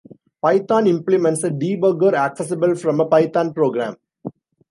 Python implements a debugger accessible from a Python program.